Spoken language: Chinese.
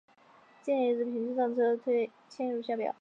近年的一日平均上车人次推移如下表。